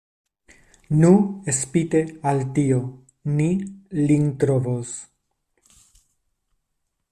Nu, spite al tio, ni lin trovos.